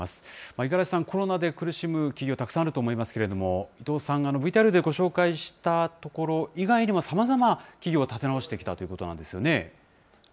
五十嵐さん、コロナで苦しむ企業、たくさんあると思いますけど、伊藤さん、ＶＴＲでご紹介したところ以外にも、さまざま、企業を立て直してきたということなんですよね。